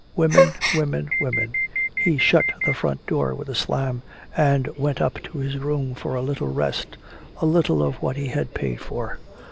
Women, women, women! He shut the front door with a slam and went up to his room for a little rest, a little of what he had paid for!